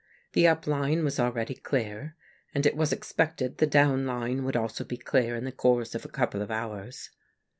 The up line was already clear, and it was expected the down line would also be clear in the course of a couple of hours.